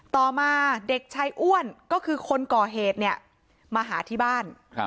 ต่อมาเด็กชายอ้วนก็คือคนก่อเหตุเนี่ยมาหาที่บ้าน